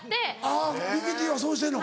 あっミキティはそうしてんの。